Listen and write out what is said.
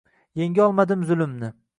Yengolmadim zulmni».